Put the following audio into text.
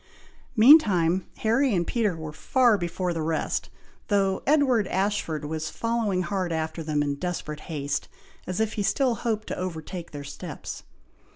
Meantime, Harry and Peter were far before the rest, though Edward Ashford was following hard after them in desperate haste, as if he still hoped to overtake their steps.